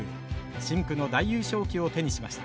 深紅の大優勝旗を手にしました。